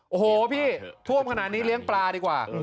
โอ้โหพี่ท่วมขนาดนี้เลี้ยงปลาดีกว่า